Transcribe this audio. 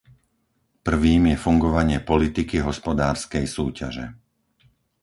Prvým je fungovanie politiky hospodárskej súťaže.